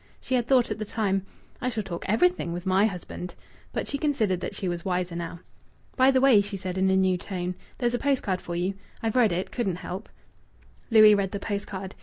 She had thought, at the time, "I shall talk everything with my husband." But she considered that she was wiser now. "By the way," she said in a new tone, "there's a post card for you. I've read it. Couldn't help." Louis read the post card.